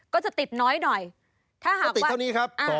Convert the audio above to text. ก็จะติดน้อยหน่อยถ้าหากจะติดเท่านี้ครับ